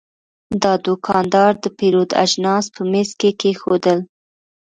دا دوکاندار د پیرود اجناس په میز کې کېښودل.